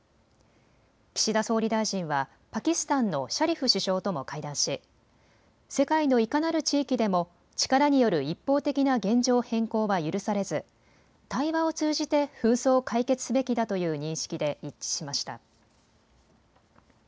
岸田総理大臣はパキスタンのシャリフ首相とも会談し世界のいかなる地域でも力による一方的な現状変更は許されず対話を通じて紛争を解決すべきだという認識で一致しました。